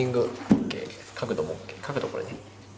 角度これね。